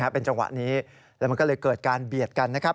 เป็นจังหวะนี้แล้วมันก็เลยเกิดการเบียดกันนะครับ